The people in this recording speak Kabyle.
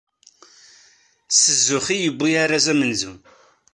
S zzux i yewwi arraz amenzu.